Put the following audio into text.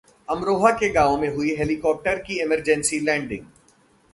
अमरोहा के गांव में हुई हेलिकॉप्टर की इमरजेंसी लैंडिंग